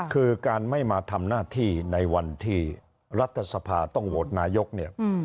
คือการไม่มาทำหน้าที่ในวันที่รัฐสภาต้องโหวตนายกเนี่ย